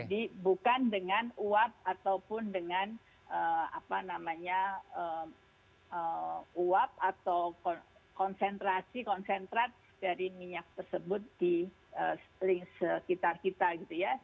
jadi bukan dengan uap ataupun dengan apa namanya uap atau konsentrasi konsentrasi dari minyak tersebut di sekitar kita gitu ya